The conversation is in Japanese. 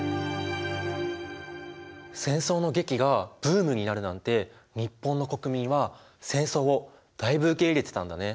戦争の劇がブームになるなんて日本の国民は戦争をだいぶ受け入れてたんだね。